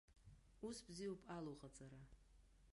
Ус бзиоуп алу ҟаҵара.